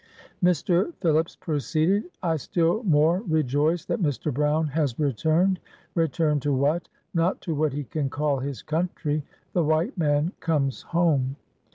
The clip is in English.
Mr. Phillips proceeded: — "I still more rejoice that Mr. Brown has returned. Returned to what? Not to what he can call his ' country.' The white man comes 1 home.'